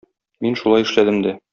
Мин шулай эшләдем дә.